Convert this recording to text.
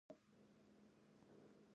دغه کسان د خلکو د ځواک سمبولونه وو.